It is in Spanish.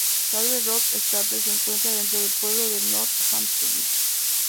Saddle Rock Estates se encuentra dentro del pueblo de North Hempstead.